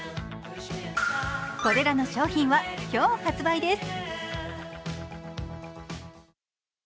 これらの商品は今日、発売です。